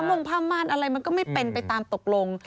มงผ้าม่านอะไรมันก็ไม่เป็นไปตามตกลง